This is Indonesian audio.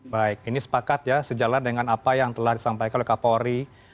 baik ini sepakat ya sejalan dengan apa yang telah disampaikan oleh kapolri